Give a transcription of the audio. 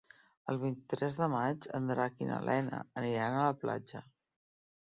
El vint-i-tres de maig en Drac i na Lena aniran a la platja.